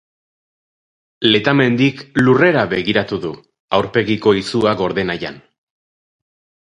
Letamendik lurrera begiratu du, aurpegiko izua gorde nahian.